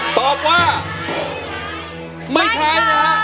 ตอบว่าไม่ใช้